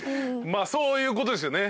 まあそういうことですよね